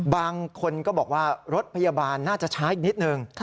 บางคนก็บอกว่ารถพยาบาลน่าจะช้าอีกนิดนึง